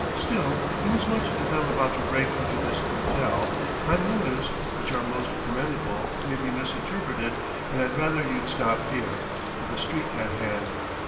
Still, inasmuch as I'm about to break into this hôtel, my motives, which are most commendable, may be misinterpreted, and I'd rather you'd stop here, with the street at hand.